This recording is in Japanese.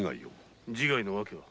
自害の訳は？